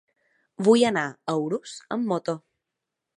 Vull anar a Urús amb moto.